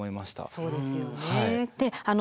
そうですよね。